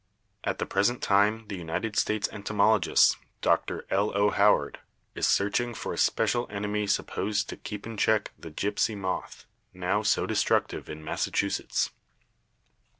At the present time the United States entomologist, Dr. L. O. Howard, is searching for a special enemy supposed to keep in check the gipsy moth, now so destructive in Massachusetts.